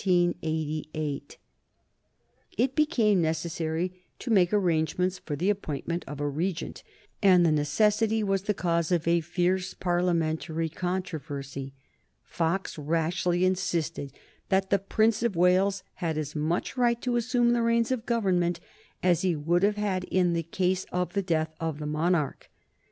It became necessary to make arrangements for the appointment of a regent, and the necessity was the cause of a fierce Parliamentary controversy. Fox rashly insisted that the Prince of Wales had as much right to assume the reins of government as he would have had in the case of the death of the monarch.